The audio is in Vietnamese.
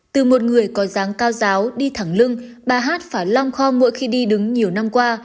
từ một người có giáng cao giáo đi thẳng lưng bà hát phải long kho mỗi khi đi đứng nhiều năm qua